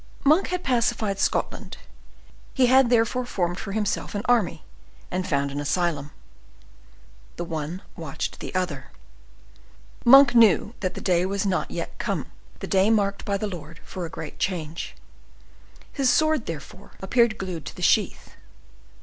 Monk had pacified Scotland, he had there formed for himself an army, and found an asylum. The one watched the other. Monk knew that the day was not yet come, the day marked by the Lord for a great change; his sword, therefore, appeared glued to the sheath.